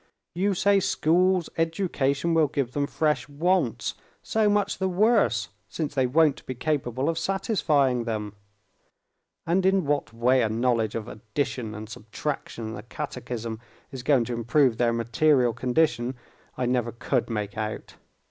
You say schools, education, will give them fresh wants. So much the worse, since they won't be capable of satisfying them. And in what way a knowledge of addition and subtraction and the catechism is going to improve their material condition, I never could make out.